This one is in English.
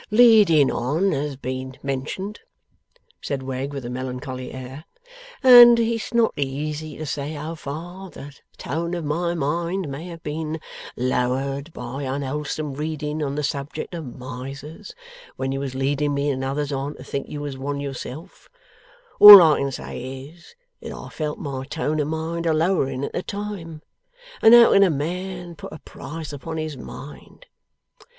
'Leading on has been mentioned,' said Wegg with a melancholy air, 'and it's not easy to say how far the tone of my mind may have been lowered by unwholesome reading on the subject of Misers, when you was leading me and others on to think you one yourself, sir. All I can say is, that I felt my tone of mind a lowering at the time. And how can a man put a price upon his mind!